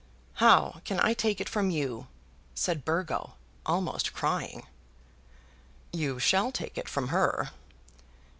"How can I take it from you?" said Burgo, almost crying. "You shall take it from her!"